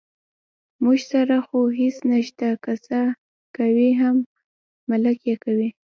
موږ سره خو هېڅ نشته، که څه کوي هم ملک یې کوي.